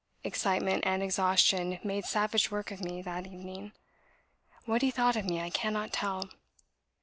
Excitement and exhaustion made savage work of me that evening. What he thought of me I cannot tell."